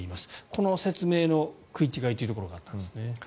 この説明の食い違いというところがあったんですね。